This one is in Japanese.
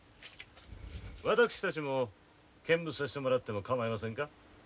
私たちも見物さしてもらっても構いませんか？